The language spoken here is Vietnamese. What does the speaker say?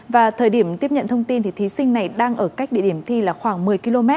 và thời điểm tiếp nhận thông tin thì thí sinh này đang ở cách địa điểm thi là khoảng một mươi km